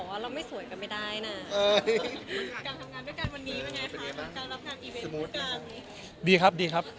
สนุกดีครับ